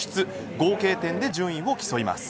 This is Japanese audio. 合計点で順位を競います。